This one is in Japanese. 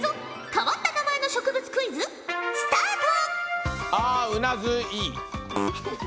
変わった名前の植物クイズスタート！